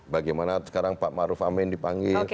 bagaimana sekarang pak maruf amin dipanggil